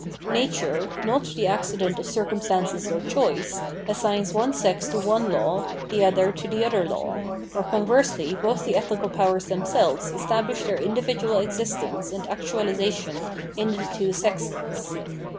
Nature, not the accident of circumstances or choice, assigns one sex to one law, the other to the other law ; or conversely both the ethical powers themselves establish their individual existence and actuahsation in the two sexes.